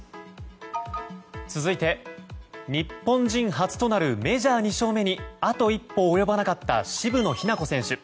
続いて、日本人初となるメジャー２勝目にあと一歩及ばなかった渋野日向子選手。